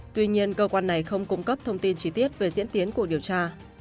tuy nhiên cơ quan này không cung cấp thông tin trí tiết về diễn tiến của điều tra